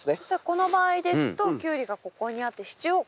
この場合ですとキュウリがここにあって支柱をこちら側に。